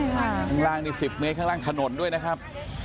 ข้างล่างนี่๑๐เมตรข้างล่างถนนด้วยนะครับ